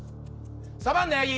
「サバンナ八木」。